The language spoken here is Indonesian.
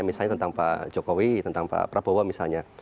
misalnya tentang pak jokowi tentang pak prabowo misalnya